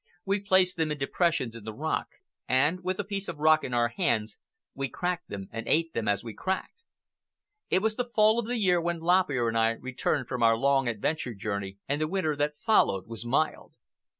We placed them in depressions in the rock, and, with a piece of rock in our hands, we cracked them and ate them as we cracked. It was the fall of the year when Lop Ear and I returned from our long adventure journey, and the winter that followed was mild.